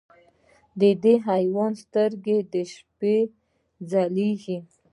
د دې حیوان سترګې د شپې ځلېږي.